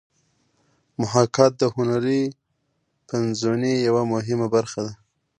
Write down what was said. محاکات د هنري پنځونې یوه مهمه برخه ده